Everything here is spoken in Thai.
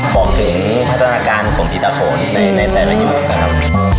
บอกถึงพัฒนาการของผีตาโขนในแต่ละยุคนะครับ